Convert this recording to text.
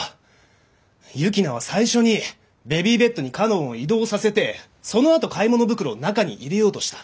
幸那は最初にベビーベッドに佳音を移動させてそのあと買い物袋を中に入れようとした。